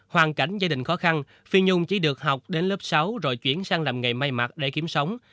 hoàn cảnh gia đình khó khăn phi nhung chỉ được học đến lớp sáu rồi chuyển sang làm nghề may mặt để kiếm sống